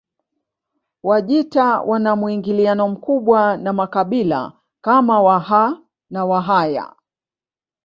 Wajita wana muingiliano mkubwa na makabila kama Waha na Wahaya